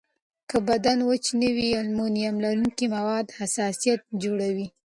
که بدن وچ نه وي، المونیم لرونکي مواد حساسیت جوړوي.